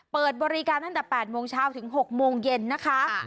เปิดบริการตั้งแต่๘โมงเช้าถึง๖โมงเย็นนะคะ